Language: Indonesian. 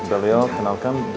kiri dari kedul amerika baiknya